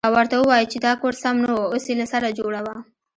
او ورته ووايې چې دا کور سم نه و اوس يې له سره جوړوه.